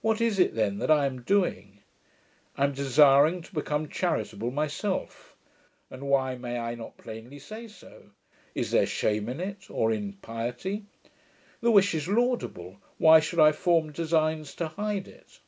What is it then that I am doing? I am desiring to become charitable myself; and why may I not plainly say so? Is there shame in it, or impiety? The wish is laudable: why should I form designs to hide it?